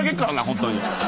ホントに。